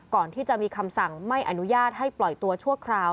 ก่อนที่จะมีคำสั่งไม่อนุญาตให้ปล่อยตัวชั่วคราว